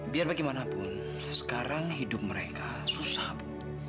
biar bagaimanapun sekarang hidup mereka susah bu